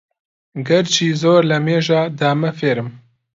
ئەگەرچی زۆر لەمێژە دامە فێرم